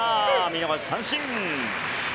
見逃し三振。